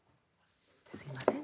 すいません。